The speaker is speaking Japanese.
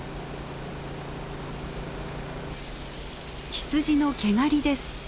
羊の毛刈りです。